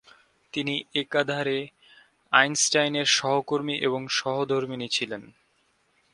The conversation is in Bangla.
তিনি একাধারে আইনস্টাইনের সহকর্মী এবং সহধর্মিণী ছিলেন।